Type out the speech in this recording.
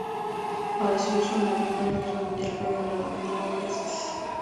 Para su uso en la Primera Guerra Mundial; fue galardonado varias veces.